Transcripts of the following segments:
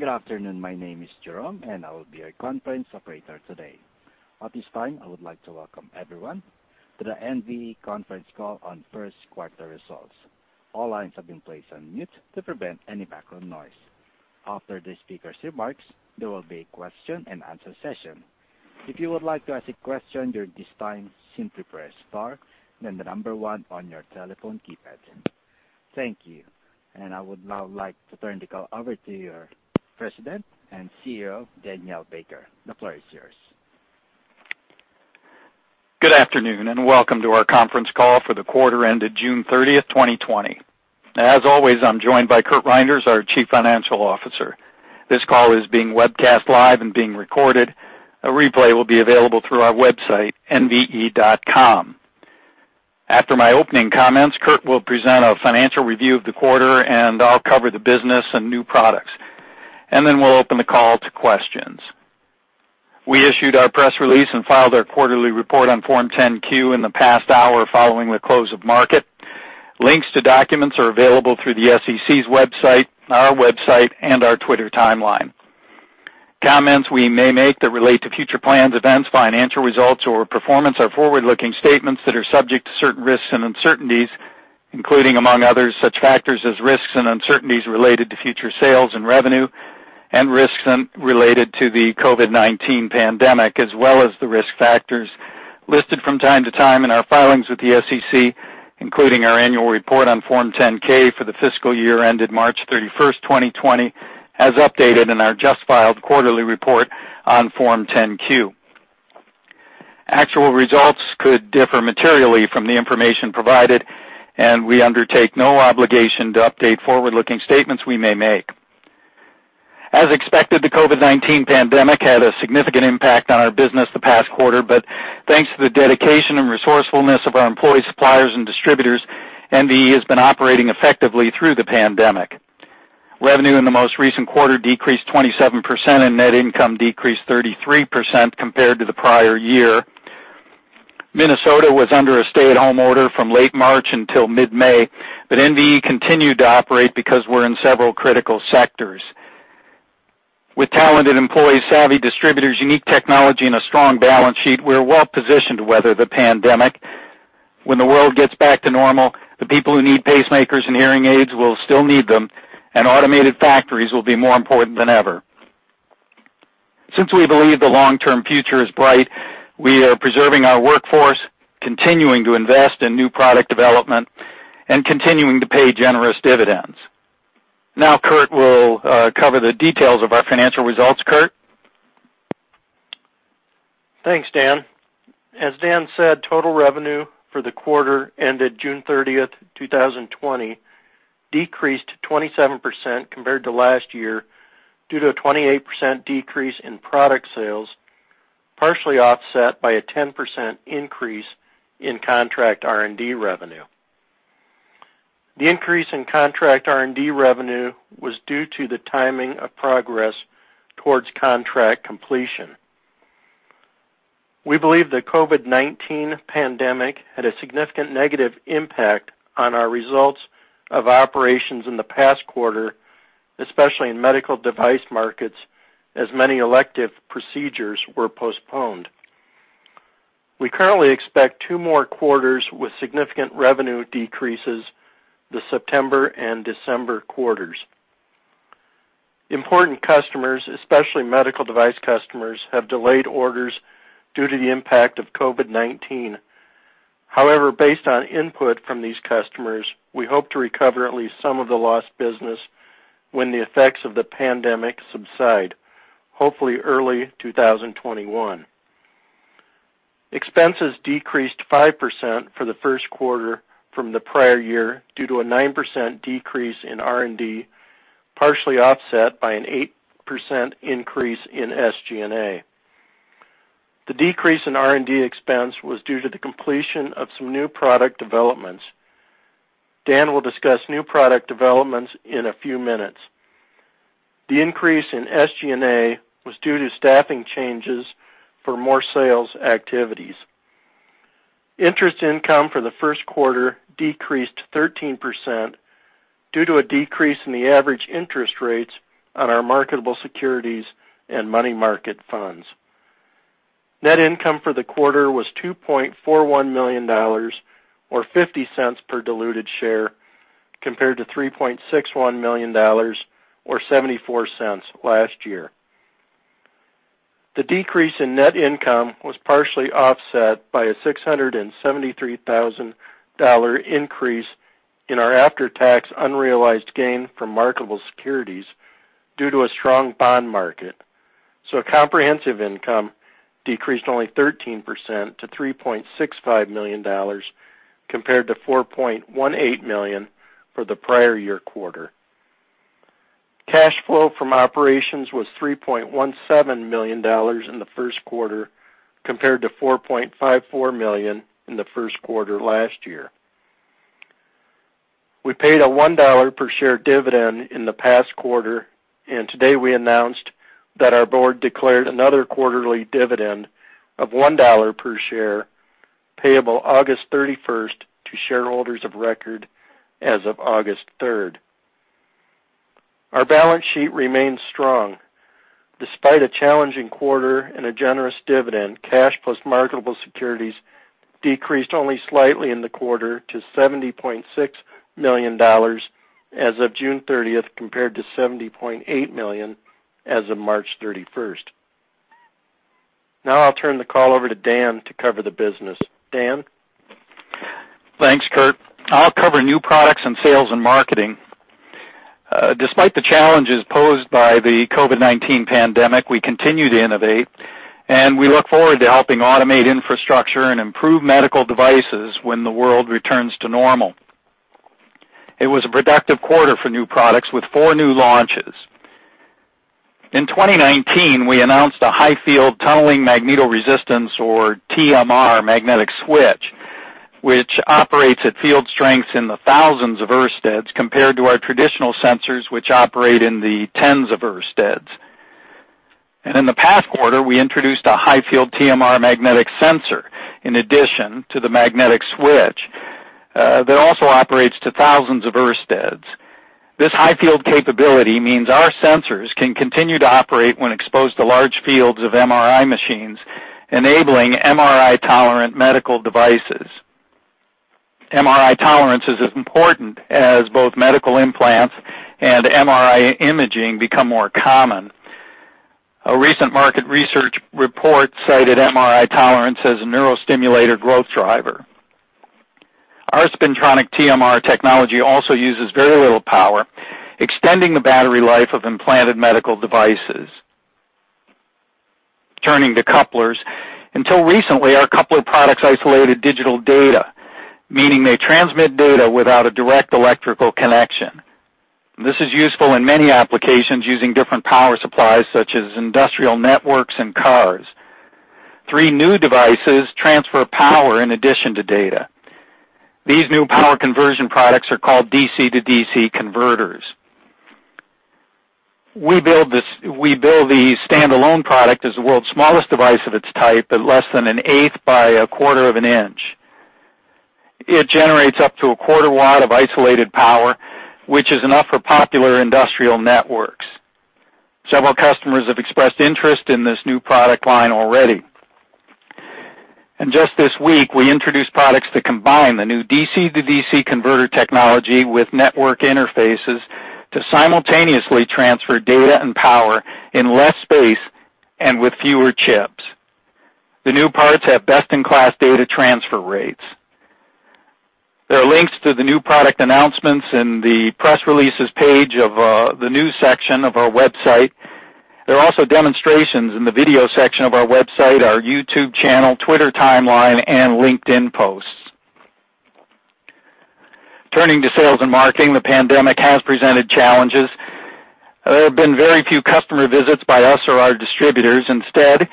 Good afternoon. My name is Jerome. I will be your conference operator today. At this time, I would like to welcome everyone to the NVE conference call on first quarter results. All lines have been placed on mute to prevent any background noise. After the speaker's remarks, there will be a question and answer session. If you would like to ask a question during this time, simply press star, then the number 1 on your telephone keypad. Thank you. I would now like to turn the call over to your President and CEO, Daniel A. Baker. The floor is yours. Good afternoon, welcome to our conference call for the quarter ended June 30th, 2020. As always, I'm joined by Curt Reynders, our Chief Financial Officer. This call is being webcast live and being recorded. A replay will be available through our website, nve.com. After my opening comments, Curt will present a financial review of the quarter, and I'll cover the business and new products. We'll open the call to questions. We issued our press release and filed our quarterly report on Form 10-Q in the past hour following the close of market. Links to documents are available through the SEC's website, our website, and our Twitter timeline. Comments we may make that relate to future plans, events, financial results, or performance are forward-looking statements that are subject to certain risks and uncertainties, including, among others, such factors as risks and uncertainties related to future sales and revenue, and risks related to the COVID-19 pandemic, as well as the risk factors listed from time to time in our filings with the SEC, including our annual report on Form 10-K for the fiscal year ended March 31st, 2020, as updated in our just-filed quarterly report on Form 10-Q. Actual results could differ materially from the information provided, and we undertake no obligation to update forward-looking statements we may make. As expected, the COVID-19 pandemic had a significant impact on our business the past quarter, but thanks to the dedication and resourcefulness of our employees, suppliers, and distributors, NVE has been operating effectively through the pandemic. Revenue in the most recent quarter decreased 27%, and net income decreased 33% compared to the prior year. Minnesota was under a stay-at-home order from late March until mid-May, but NVE continued to operate because we're in several critical sectors. With talented employees, savvy distributors, unique technology, and a strong balance sheet, we're well positioned to weather the pandemic. When the world gets back to normal, the people who need pacemakers and hearing aids will still need them, and automated factories will be more important than ever. Since we believe the long-term future is bright, we are preserving our workforce, continuing to invest in new product development, and continuing to pay generous dividends. Now Curt will cover the details of our financial results. Curt? Thanks, Dan. As Dan said, total revenue for the quarter ended June 30th, 2020, decreased 27% compared to last year due to a 28% decrease in product sales, partially offset by a 10% increase in contract R&D revenue. The increase in contract R&D revenue was due to the timing of progress towards contract completion. We believe the COVID-19 pandemic had a significant negative impact on our results of operations in the past quarter, especially in medical device markets, as many elective procedures were postponed. We currently expect two more quarters with significant revenue decreases, the September and December quarters. Important customers, especially medical device customers, have delayed orders due to the impact of COVID-19. Based on input from these customers, we hope to recover at least some of the lost business when the effects of the pandemic subside, hopefully early 2021. Expenses decreased 5% for the first quarter from the prior year due to a 9% decrease in R&D, partially offset by an 8% increase in SG&A. The decrease in R&D expense was due to the completion of some new product developments. Dan will discuss new product developments in a few minutes. The increase in SG&A was due to staffing changes for more sales activities. Interest income for the first quarter decreased 13% due to a decrease in the average interest rates on our marketable securities and money market funds. Net income for the quarter was $2.41 million, or $0.50 per diluted share, compared to $3.61 million, or $0.74 last year. The decrease in net income was partially offset by a $673,000 increase in our after-tax unrealized gain from marketable securities due to a strong bond market, comprehensive income decreased only 13% to $3.65 million, compared to $4.18 million for the prior year quarter. Cash flow from operations was $3.17 million in the first quarter, compared to $4.54 million in the first quarter last year. We paid a $1 per share dividend in the past quarter. Today we announced that our board declared another quarterly dividend of $1 per share, payable August 31st to shareholders of record as of August 3rd. Our balance sheet remains strong. Despite a challenging quarter and a generous dividend, cash plus marketable securities decreased only slightly in the quarter to $70.6 million as of June 30th, compared to $70.8 million as of March 31st. Now I'll turn the call over to Dan to cover the business. Dan? Thanks, Curt. I'll cover new products and sales and marketing. Despite the challenges posed by the COVID-19 pandemic, we continue to innovate, we look forward to helping automate infrastructure and improve medical devices when the world returns to normal. It was a productive quarter for new products, with four new launches. In 2019, we announced a high field tunneling magnetoresistance, or TMR, magnetic switch, which operates at field strengths in the thousands of oersteds, compared to our traditional sensors, which operate in the tens of oersteds. In the past quarter, we introduced a high field TMR magnetic sensor in addition to the magnetic switch, that also operates to thousands of oersteds. This high field capability means our sensors can continue to operate when exposed to large fields of MRI machines, enabling MRI-tolerant medical devices. MRI tolerance is as important, as both medical implants and MRI imaging become more common. A recent market research report cited MRI tolerance as a neurostimulator growth driver. Our spintronic TMR technology also uses very little power, extending the battery life of implanted medical devices. Turning to couplers, until recently, our coupler products isolated digital data, meaning they transmit data without a direct electrical connection. This is useful in many applications using different power supplies, such as industrial networks and cars. Three new devices transfer power in addition to data. These new power conversion products are called DC-to-DC converters. We build the standalone product as the world's smallest device of its type, at less than an eighth by a quarter of an inch. It generates up to a quarter watt of isolated power, which is enough for popular industrial networks. Several customers have expressed interest in this new product line already. Just this week, we introduced products that combine the new DC-to-DC converter technology with network interfaces to simultaneously transfer data and power in less space and with fewer chips. The new parts have best-in-class data transfer rates. There are links to the new product announcements in the Press Releases page of the News section of our website. There are also demonstrations in the Video section of our website, our YouTube channel, Twitter timeline, and LinkedIn posts. Turning to sales and marketing, the pandemic has presented challenges. There have been very few customer visits by us or our distributors. Instead,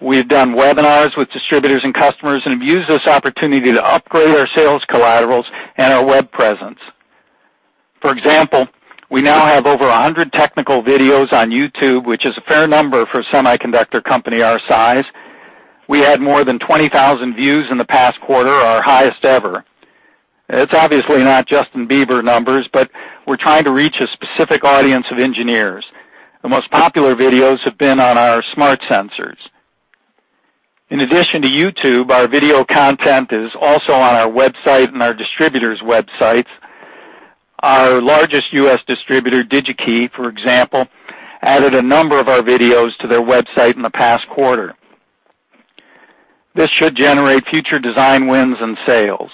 we've done webinars with distributors and customers and have used this opportunity to upgrade our sales collaterals and our web presence. For example, we now have over 100 technical videos on YouTube, which is a fair number for a semiconductor company our size. We had more than 20,000 views in the past quarter, our highest ever. It's obviously not Justin Bieber numbers, but we're trying to reach a specific audience of engineers. The most popular videos have been on our Smart Sensors. In addition to YouTube, our video content is also on our website and our distributors' websites. Our largest U.S. distributor, Digi-Key, for example, added a number of our videos to their website in the past quarter. This should generate future design wins and sales.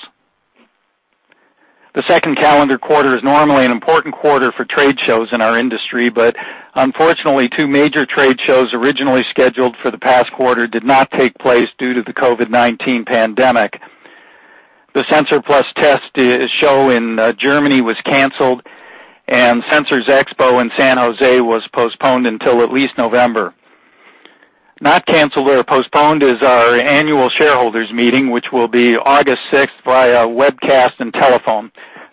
The second calendar quarter is normally an important quarter for trade shows in our industry, but unfortunately, two major trade shows originally scheduled for the past quarter did not take place due to the COVID-19 pandemic. The SENSOR+TEST show in Germany was canceled, and Sensors Expo in San Jose was postponed until at least November. Not canceled or postponed is our annual shareholders meeting, which will be August 6th via webcast and telephone,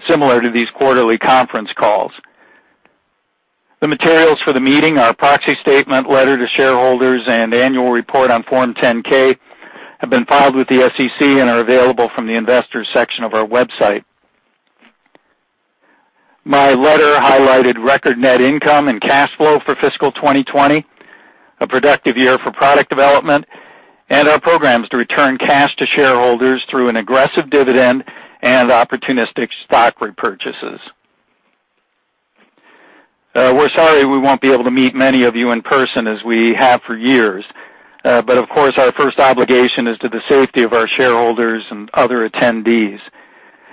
similar to these quarterly conference calls. The materials for the meeting, our proxy statement, letter to shareholders, and annual report on Form 10-K have been filed with the SEC and are available from the Investors section of our website. My letter highlighted record net income and cash flow for fiscal 2020, a productive year for product development, and our programs to return cash to shareholders through an aggressive dividend and opportunistic stock repurchases. We're sorry we won't be able to meet many of you in person as we have for years. But of course, our first obligation is to the safety of our shareholders and other attendees.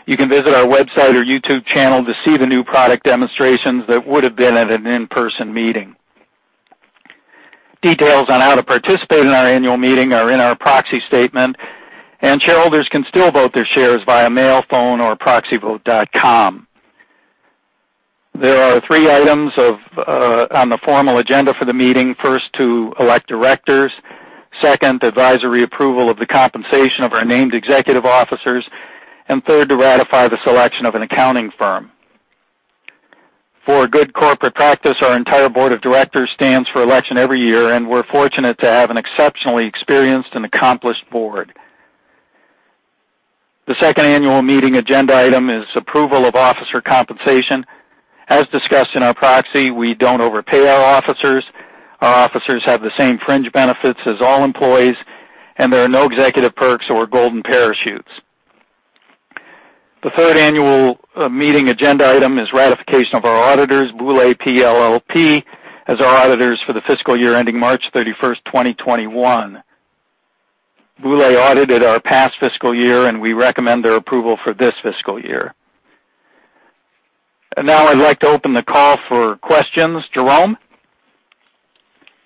You can visit our website or YouTube channel to see the new product demonstrations that would have been at an in-person meeting. Details on how to participate in our annual meeting are in our proxy statement, and shareholders can still vote their shares via mail, phone, or proxyvote.com. There are three items on the formal agenda for the meeting. First, to elect directors, second, advisory approval of the compensation of our named executive officers, and third, to ratify the selection of an accounting firm. For good corporate practice, our entire board of directors stands for election every year, and we're fortunate to have an exceptionally experienced and accomplished board. The second annual meeting agenda item is approval of officer compensation. As discussed in our proxy, we don't overpay our officers. Our officers have the same fringe benefits as all employees, and there are no executive perks or golden parachutes. The third annual meeting agenda item is ratification of our auditors, Boulay PLLP, as our auditors for the fiscal year ending March 31st, 2021. Boulay audited our past fiscal year, and we recommend their approval for this fiscal year. Now I'd like to open the call for questions. Jerome?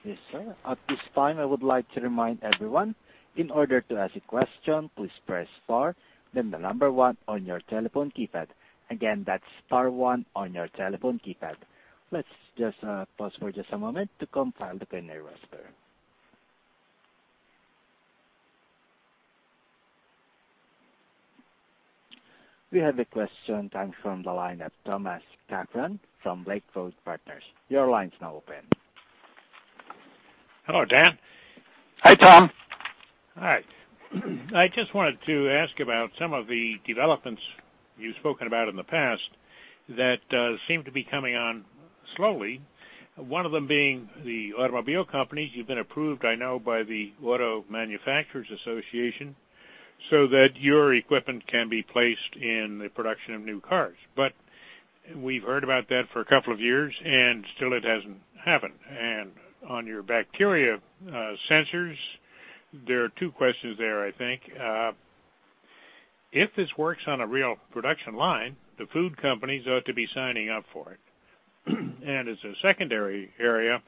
Yes, sir. At this time, I would like to remind everyone, in order to ask a question, please press star, then the number one on your telephone keypad. Again, that's star one on your telephone keypad. Let's just pause for just a moment to compile the preliminary roster. We have a question coming from the line of Thomas Caulfield from Lake Street Capital Markets. Your line's now open. Hello, Dan. Hi, Tom. All right. I just wanted to ask about some of the developments you've spoken about in the past that seem to be coming on slowly. One of them being the automobile companies. You've been approved, I know, by the Auto Manufacturers Association so that your equipment can be placed in the production of new cars. We've heard about that for a couple of years, and still it hasn't happened. On your bacteria sensors, there are two questions there, I think. If this works on a real production line, the food companies ought to be signing up for it. As a secondary area,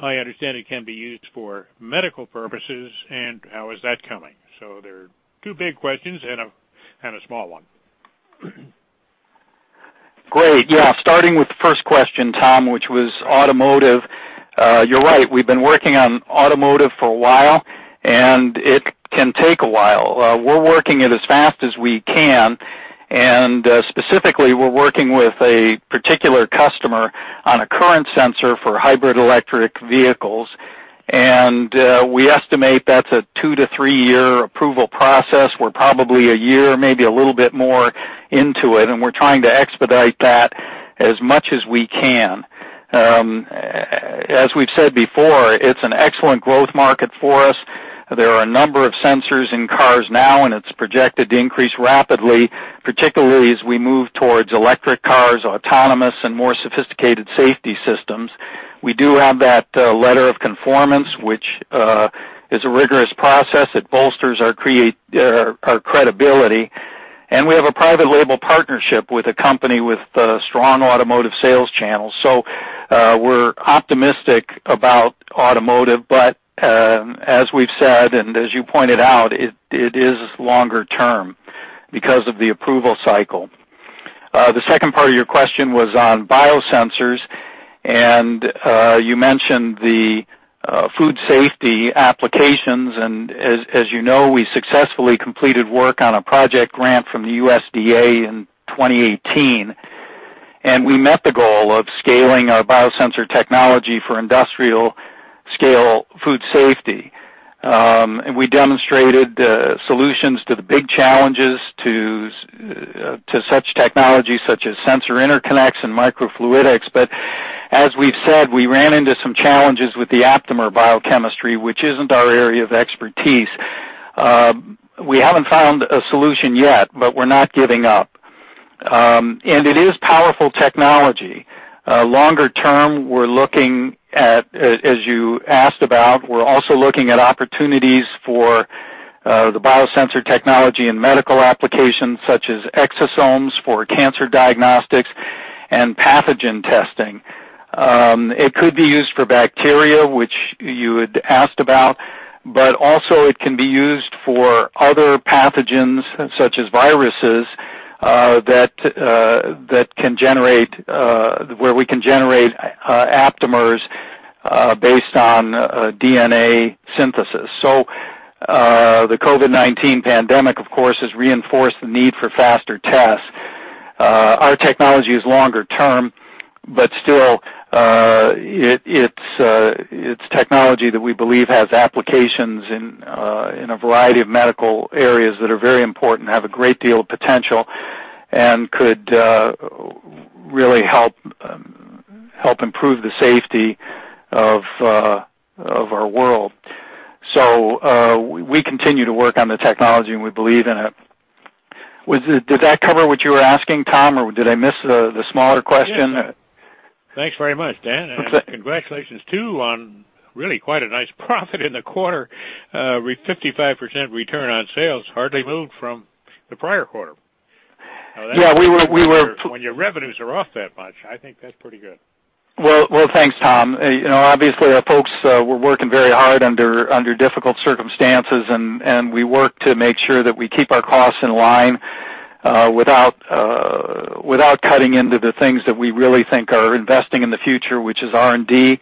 I understand it can be used for medical purposes, and how is that coming? They're two big questions and a small one. Great. Starting with the first question, Tom, which was automotive. You're right, we've been working on automotive for a while, and it can take a while. We're working it as fast as we can, and specifically, we're working with a particular customer on a current sensor for hybrid electric vehicles. We estimate that's a 2-3 year approval process. We're probably one year, maybe a little bit more into it, and we're trying to expedite that as much as we can. As we've said before, it's an excellent growth market for us. There are a number of sensors in cars now, and it's projected to increase rapidly, particularly as we move towards electric cars, autonomous, and more sophisticated safety systems. We do have that letter of conformance, which is a rigorous process. It bolsters our credibility. We have a private label partnership with a company with strong automotive sales channels. We're optimistic about automotive, but, as we've said and as you pointed out, it is longer term because of the approval cycle. The second part of your question was on biosensors, and you mentioned the food safety applications. As you know, we successfully completed work on a project grant from the USDA in 2018. We met the goal of scaling our biosensor technology for industrial-scale food safety. We demonstrated solutions to the big challenges to such technology such as sensor interconnects and microfluidics. As we've said, we ran into some challenges with the aptamer biochemistry, which isn't our area of expertise. We haven't found a solution yet, but we're not giving up. It is powerful technology. Longer term, as you asked about, we're also looking at opportunities for the biosensor technology in medical applications such as exosomes for cancer diagnostics and pathogen testing. It could be used for bacteria, which you had asked about, but also it can be used for other pathogens such as viruses, where we can generate aptamers based on DNA synthesis. The COVID-19 pandemic, of course, has reinforced the need for faster tests. Our technology is longer term, but still, it's technology that we believe has applications in a variety of medical areas that are very important, have a great deal of potential, and could really help improve the safety of our world. We continue to work on the technology, and we believe in it. Did that cover what you were asking, Tom, or did I miss the smaller question? Yes. Thanks very much, Dan. That's it. Congratulations, too, on really quite a nice profit in the quarter. A 55% return on sales hardly moved from the prior quarter. Yeah. We were- When your revenues are off that much, I think that's pretty good. Well, thanks, Thomas. Obviously our folks were working very hard under difficult circumstances, and we worked to make sure that we keep our costs in line without cutting into the things that we really think are investing in the future, which is R&D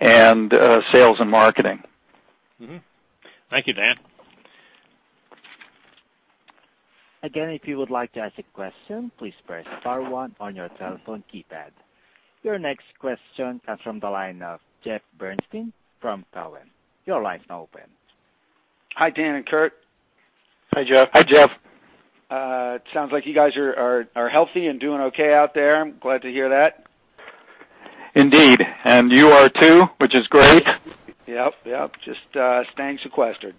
and sales and marketing. Thank you, Dan. Again, if you would like to ask a question, please press star one on your telephone keypad. Your next question comes from the line of Jeffrey Bernstein from Cowen. Your line's now open. Hi, Dan and Curt. Hi, Jeff. Hi, Jeff. It sounds like you guys are healthy and doing okay out there. I'm glad to hear that. Indeed. You are too, which is great. Yep. Just staying sequestered.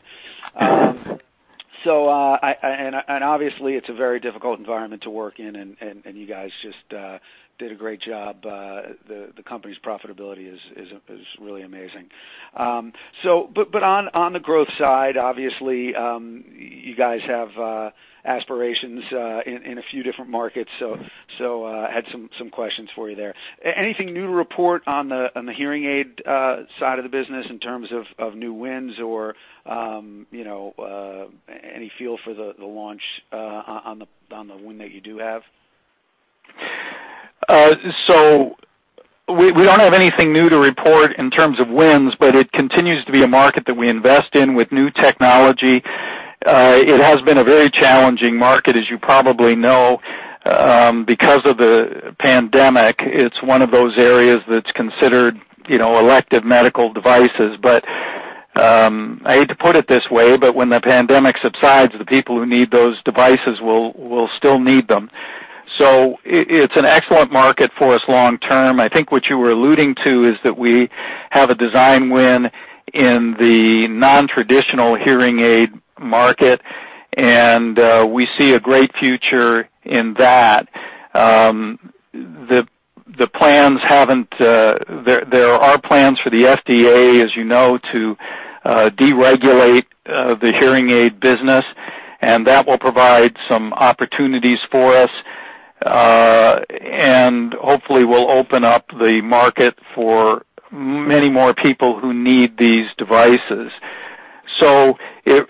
Obviously, it's a very difficult environment to work in, and you guys just did a great job. The company's profitability is really amazing. On the growth side, obviously, you guys have aspirations in a few different markets, so I had some questions for you there. Anything new to report on the hearing aid side of the business in terms of new wins or any feel for the launch on the win that you do have? We don't have anything new to report in terms of wins, but it continues to be a market that we invest in with new technology. It has been a very challenging market, as you probably know. Because of the pandemic, it's one of those areas that's considered elective medical devices. I hate to put it this way, but when the pandemic subsides, the people who need those devices will still need them. It's an excellent market for us long term. I think what you were alluding to is that we have a design win in the non-traditional hearing aid market, and we see a great future in that. There are plans for the FDA, as you know, to deregulate the hearing aid business, and that will provide some opportunities for us, and hopefully will open up the market for many more people who need these devices. It's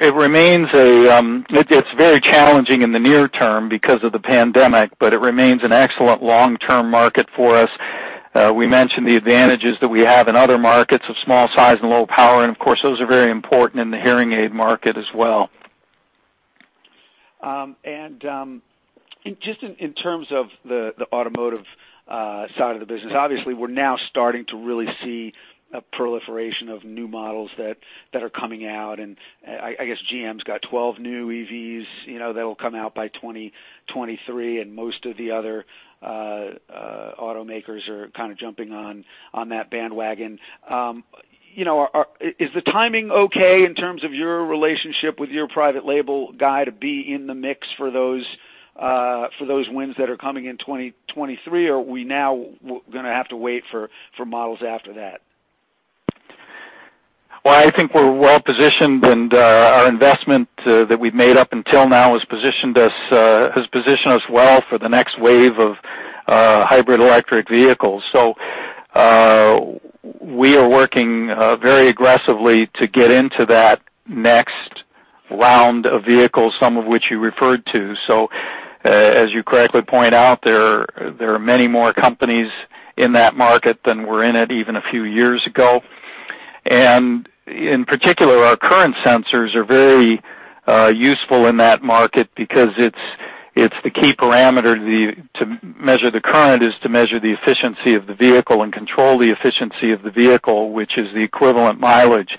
very challenging in the near term because of the pandemic, but it remains an excellent long-term market for us. We mentioned the advantages that we have in other markets of small size and low power, and of course, those are very important in the hearing aid market as well. Just in terms of the automotive side of the business, obviously, we're now starting to really see a proliferation of new models that are coming out, and I guess GM's got 12 new EVs that'll come out by 2023, and most of the other automakers are kind of jumping on that bandwagon. Is the timing okay in terms of your relationship with your private label guy to be in the mix for those wins that are coming in 2023, or are we now going to have to wait for models after that? Well, I think we're well-positioned, and our investment that we've made up until now has positioned us well for the next wave of hybrid electric vehicles. We are working very aggressively to get into that next round of vehicles, some of which you referred to. As you correctly point out, there are many more companies in that market than were in it even a few years ago. In particular, our current sensors are very useful in that market because it's the key parameter. To measure the current is to measure the efficiency of the vehicle and control the efficiency of the vehicle, which is the equivalent mileage.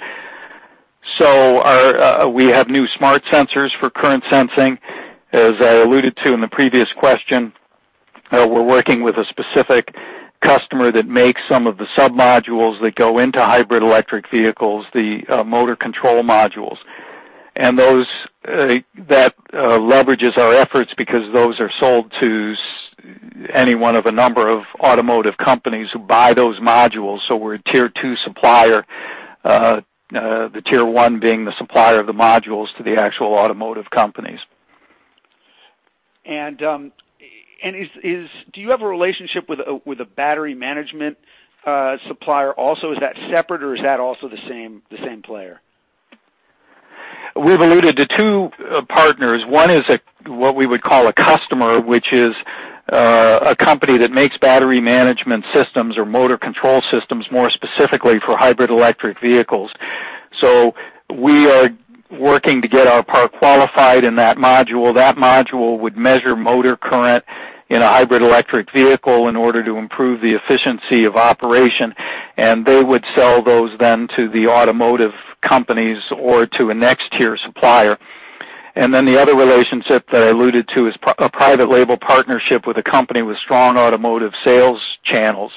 We have new Smart Sensors for current sensing. As I alluded to in the previous question, we're working with a specific customer that makes some of the sub-modules that go into hybrid electric vehicles, the motor control modules. That leverages our efforts because those are sold to any one of a number of automotive companies who buy those modules. We're a tier 2 supplier, the tier 1 being the supplier of the modules to the actual automotive companies. Do you have a relationship with a battery management supplier also? Is that separate or is that also the same player? We've alluded to two partners. One is what we would call a customer, which is a company that makes battery management systems or motor control systems, more specifically for hybrid electric vehicles. We are working to get our part qualified in that module. That module would measure motor current in a hybrid electric vehicle in order to improve the efficiency of operation. They would sell those then to the automotive companies or to a next-tier supplier. The other relationship that I alluded to is a private label partnership with a company with strong automotive sales channels.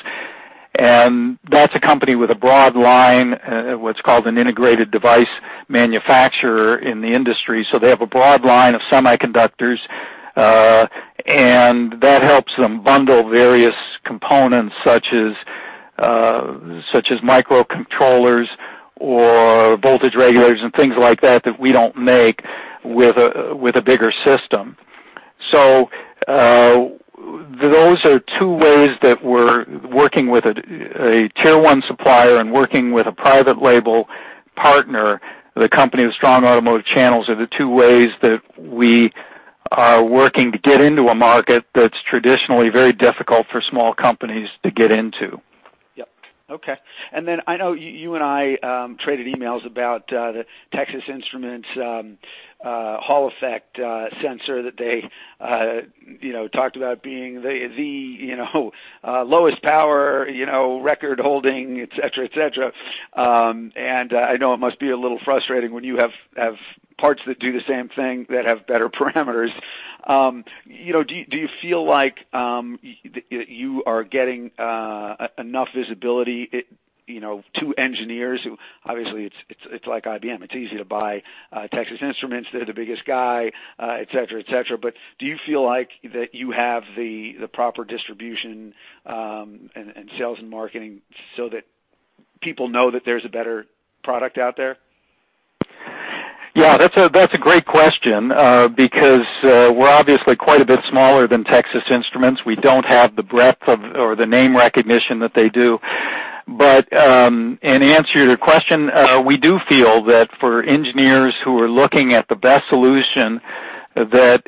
That's a company with a broad line, what's called an integrated device manufacturer in the industry. They have a broad line of semiconductors, and that helps them bundle various components such as microcontrollers or voltage regulators and things like that we don't make with a bigger system. Those are two ways that we're working with a tier 1 supplier and working with a private label partner. The company with strong automotive channels are the two ways that we are working to get into a market that's traditionally very difficult for small companies to get into. Yep. Okay. Then I know you and I traded emails about the Texas Instruments Hall effect sensor that they talked about being the lowest power record-holding, et cetera. I know it must be a little frustrating when you have parts that do the same thing that have better parameters. Do you feel like you are getting enough visibility to engineers who, obviously, it's like IBM, it's easy to buy Texas Instruments, they're the biggest guy, et cetera. Do you feel like that you have the proper distribution, and sales and marketing so that people know that there's a better product out there? Yeah, that's a great question, because we're obviously quite a bit smaller than Texas Instruments. We don't have the breadth or the name recognition that they do. In answer to your question, we do feel that for engineers who are looking at the best solution, that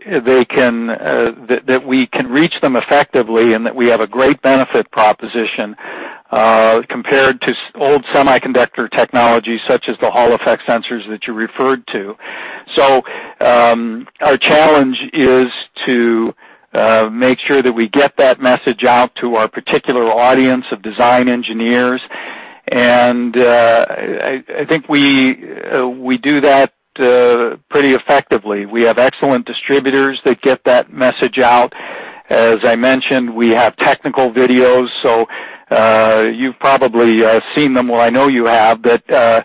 we can reach them effectively and that we have a great benefit proposition, compared to old semiconductor technology such as the Hall effect sensors that you referred to. Our challenge is to make sure that we get that message out to our particular audience of design engineers. I think we do that pretty effectively. We have excellent distributors that get that message out. As I mentioned, we have technical videos, so you've probably seen them, well, I know you have, that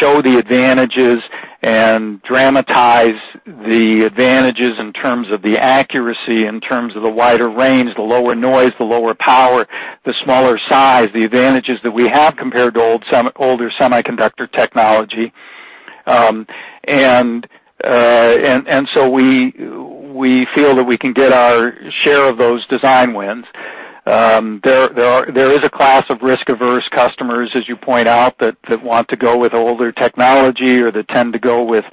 show the advantages and dramatize the advantages in terms of the accuracy, in terms of the wider range, the lower noise, the lower power, the smaller size, the advantages that we have compared to older semiconductor technology. We feel that we can get our share of those design wins. There is a class of risk-averse customers, as you point out, that want to go with older technology or that tend to go with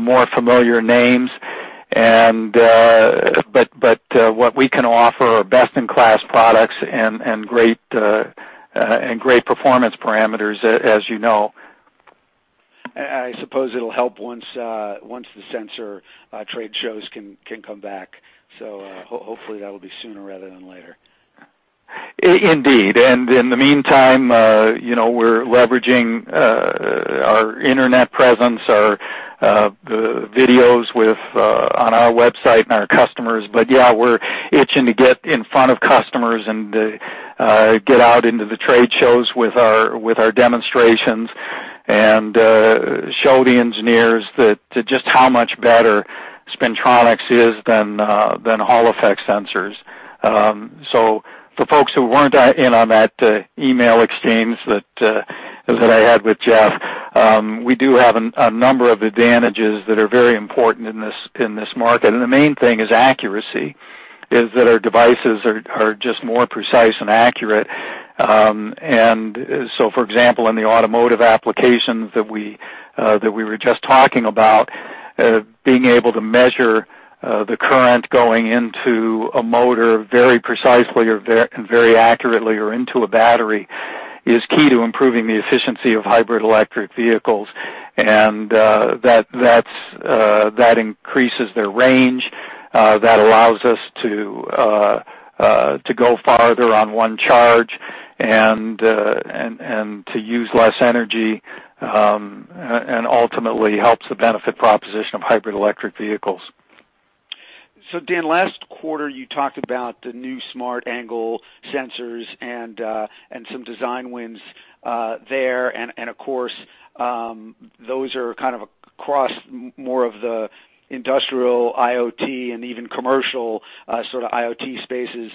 more familiar names. What we can offer are best-in-class products and great performance parameters, as you know. I suppose it'll help once the sensor trade shows can come back. Hopefully that'll be sooner rather than later. Indeed. In the meantime, we're leveraging our internet presence, our videos on our website and our customers. Yeah, we're itching to get in front of customers and get out into the trade shows with our demonstrations and show the engineers that just how much better spintronics is than Hall effect sensors. For folks who weren't in on that email exchange that I had with Jeff, we do have a number of advantages that are very important in this market. The main thing is accuracy, is that our devices are just more precise and accurate. For example, in the automotive applications that we were just talking about, being able to measure the current going into a motor very precisely or very accurately or into a battery is key to improving the efficiency of hybrid electric vehicles. That increases their range, that allows us to go farther on one charge and to use less energy, and ultimately helps the benefit proposition of hybrid electric vehicles. Dan, last quarter, you talked about the new Smart Angle Sensors and some design wins there, and of course, those are kind of across more of the industrial IoT and even commercial sort of IoT spaces.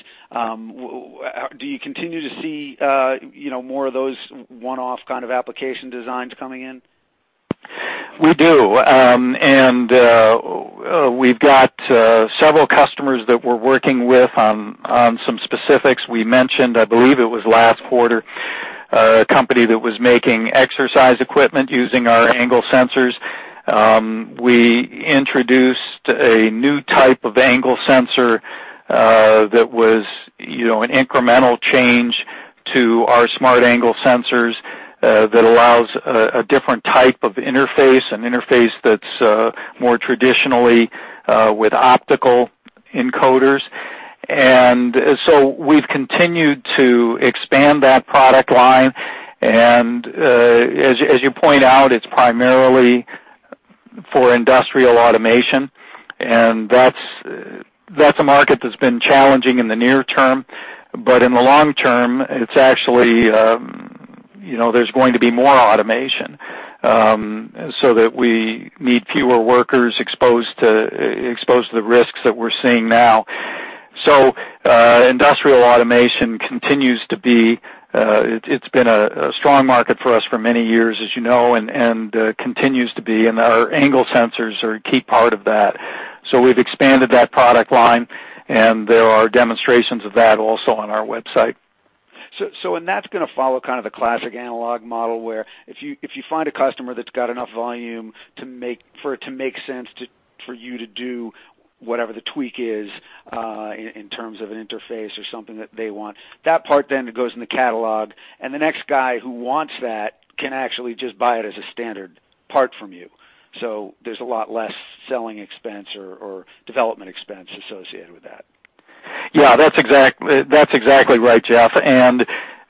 Do you continue to see more of those one-off kind of application designs coming in? We do. We've got several customers that we're working with on some specifics. We mentioned, I believe it was last quarter, a company that was making exercise equipment using our angle sensors. We introduced a new type of angle sensor, that was an incremental change to our Smart Angle Sensors, that allows a different type of interface, an interface that's more traditionally with optical encoders. We've continued to expand that product line, and as you point out, it's primarily for industrial automation. That's a market that's been challenging in the near term, but in the long term, it's actually, there's going to be more automation, so that we need fewer workers exposed to the risks that we're seeing now. Industrial automation continues to be. It's been a strong market for us for many years, as you know, and continues to be, and our angle sensors are a key part of that. We've expanded that product line, and there are demonstrations of that also on our website. That's going to follow kind of the classic analog model, where if you find a customer that's got enough volume for it to make sense for you to do whatever the tweak is, in terms of an interface or something that they want, that part then goes in the catalog, and the next guy who wants that can actually just buy it as a standard part from you. There's a lot less selling expense or development expense associated with that. Yeah. That's exactly right, Jeff.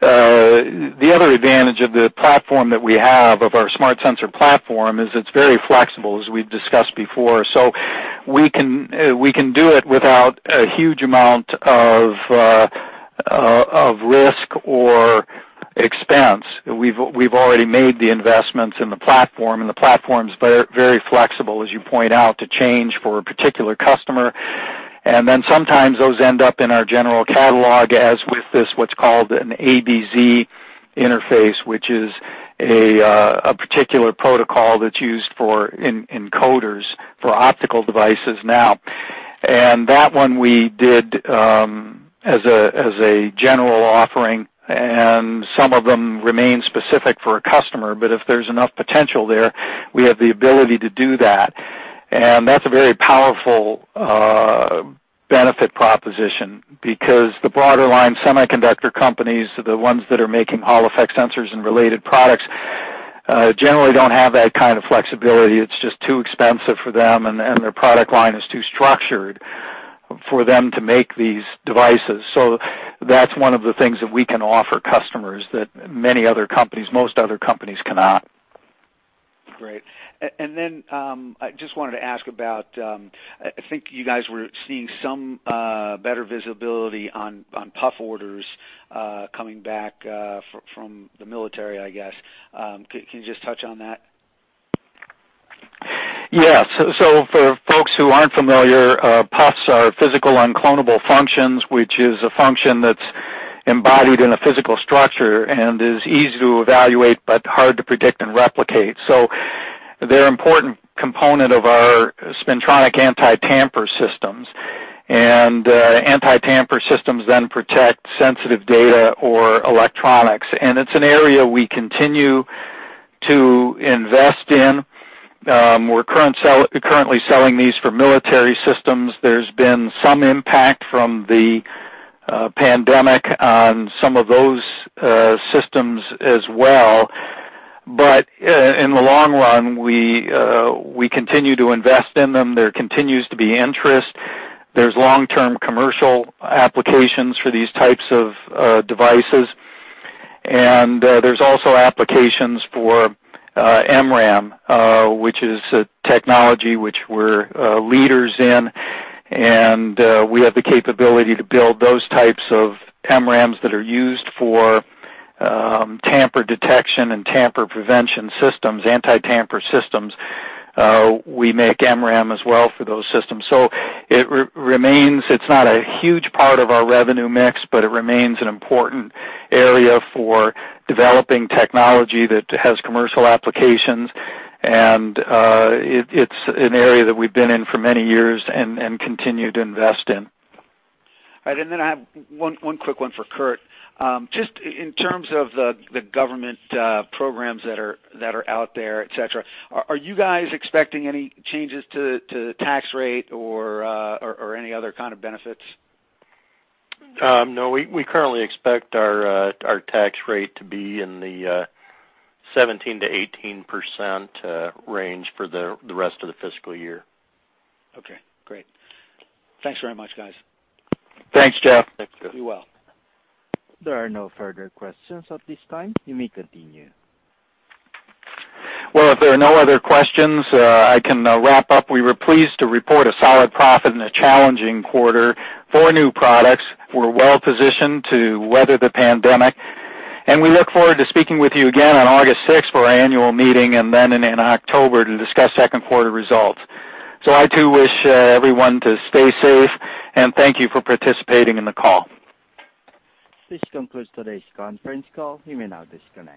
The other advantage of the platform that we have, of our Smart Sensor platform, is it's very flexible, as we've discussed before. We can do it without a huge amount of risk or expense. We've already made the investments in the platform, and the platform's very flexible, as you point out, to change for a particular customer. Sometimes those end up in our general catalog, as with this, what's called an ABZ interface, which is a particular protocol that's used for encoders for optical devices now. That one we did as a general offering, and some of them remain specific for a customer. If there's enough potential there, we have the ability to do that. That's a very powerful benefit proposition because the broader line semiconductor companies, the ones that are making Hall effect sensors and related products, generally don't have that kind of flexibility. It's just too expensive for them, and their product line is too structured for them to make these devices. That's one of the things that we can offer customers that many other companies, most other companies cannot. Great. I just wanted to ask about, I think you guys were seeing some better visibility on PUF orders coming back from the military, I guess. Can you just touch on that? Yeah. For folks who aren't familiar, PUFs are physical unclonable functions, which is a function that's embodied in a physical structure and is easy to evaluate but hard to predict and replicate. They're an important component of our spintronic anti-tamper systems, and anti-tamper systems then protect sensitive data or electronics. It's an area we continue to invest in. We're currently selling these for military systems. There's been some impact from the pandemic on some of those systems as well. In the long run, we continue to invest in them. There continues to be interest. There's long-term commercial applications for these types of devices. There's also applications for MRAM, which is a technology which we're leaders in, and we have the capability to build those types of MRAMs that are used for tamper detection and tamper prevention systems, anti-tamper systems. We make MRAM as well for those systems. It's not a huge part of our revenue mix, but it remains an important area for developing technology that has commercial applications. It's an area that we've been in for many years and continue to invest in. All right. I have one quick one for Curt. Just in terms of the government programs that are out there, et cetera, are you guys expecting any changes to the tax rate or any other kind of benefits? No, we currently expect our tax rate to be in the 17%-18% range for the rest of the fiscal year. Okay, great. Thanks very much, guys. Thanks, Jeff. Thanks, Jeff. Be well. There are no further questions at this time. You may continue. If there are no other questions, I can wrap up. We were pleased to report a solid profit in a challenging quarter for new products. We're well-positioned to weather the pandemic, and we look forward to speaking with you again on August sixth for our annual meeting, and then in October to discuss second quarter results. I too wish everyone to stay safe, and thank you for participating in the call. This concludes today's conference call. You may now disconnect.